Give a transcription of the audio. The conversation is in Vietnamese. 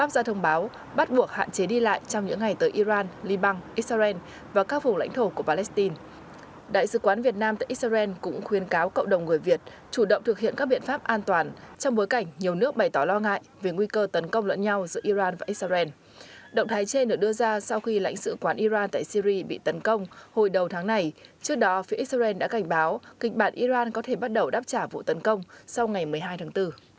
sau khi lãnh sự quán iran tại syri bị tấn công hồi đầu tháng này trước đó phía israel đã cảnh báo kinh bản iran có thể bắt đầu đáp trả vụ tấn công sau ngày một mươi hai tháng bốn